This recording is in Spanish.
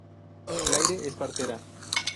Claire es partera.